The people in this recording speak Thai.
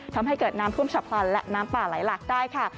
ทำให้เกิดน้ำท่วมฉับพลันและน้ำป่าไหลหลักได้ค่ะ